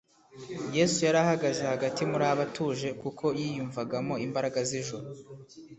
Yesu yari ahagaze hagati muri bo atuje, kuko yiyunvagamo imbaraga z'ijuru;